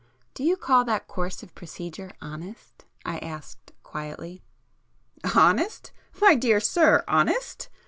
"Do you call that course of procedure honest?" I asked quietly. "Honest? My dear sir! Honest?"